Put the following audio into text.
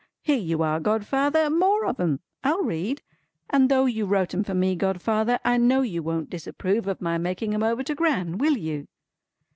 Here you are godfather! More of 'em! I'll read. And though you wrote 'em for me, godfather, I know you won't disapprove of my making 'em over to Gran; will you?"